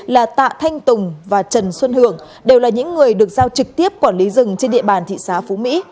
là tạ thanh tùng và trần xuân hưởng đều là những người được giao trực tiếp quản lý rừng trên địa bàn thị xã phú mỹ